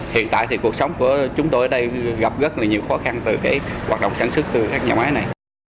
hiện tại thì cuộc sống của chúng tôi ở đây gặp rất là nhiều khó khăn từ cái hoạt động sản xuất từ các nhà máy này